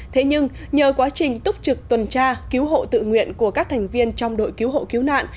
thế nhưng nhờ quá trình túc trực tuần tra cứu hộ tự nguyện của các thành viên trong đội cứu hộ cứu nạn